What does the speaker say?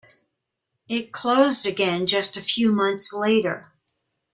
It closed again just a few months later.